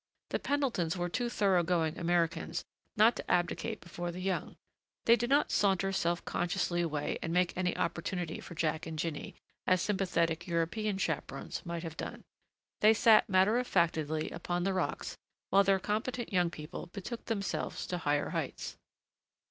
The Pendletons were too thorough going Americans not to abdicate before the young. They did not saunter self consciously away and make any opportunity for Jack and Jinny, as sympathetic European chaperons might have done; they sat matter of factedly upon the rocks while their competent young people betook themselves to higher heights.